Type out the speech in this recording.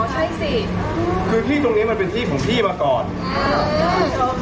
ใช่สิคือที่ตรงเนี้ยมันเป็นที่ของพี่มาก่อนอ่า